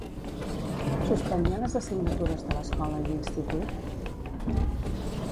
Suspenia les assignatures de l'escola i l'institut?